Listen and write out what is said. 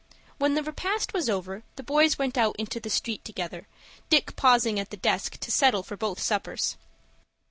When the repast was over, the boys went out into the street together, Dick pausing at the desk to settle for both suppers.